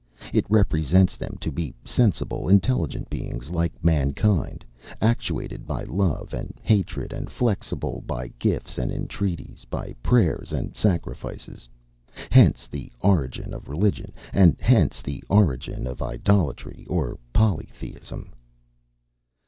It represents them to be sensible, intelligent beings like mankind; actuated by love and hatred, and flexible by gifts and entreaties, by prayers and sacrifices. Hence the origin of religion: and hence the origin of idolatry or polytheism."